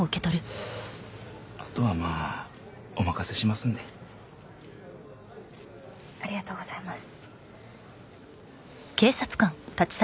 あとはまあお任せしますんでありがとうございます